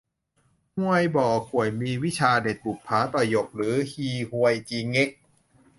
ฮวยบ่อข่วยมีวิชาเด็ดบุปผาต่อหยก หรืออี้ฮวยจิเง็ก